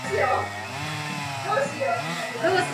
ぶどう数えてる人気の毒